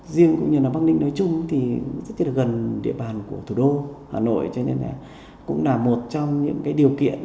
riêng cũng như là bắc ninh nói chung thì rất tiết là gần địa bàn của thủ đô hà nội cho nên là cũng là một trong những điều kiện